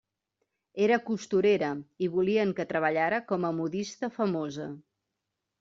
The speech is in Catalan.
Era costurera, i volien que treballara com una modista famosa.